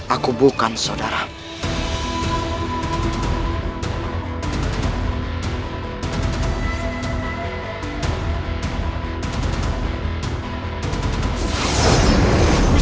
aku bukan saudaramu